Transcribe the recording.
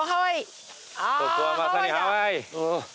ここはまさにハワイ！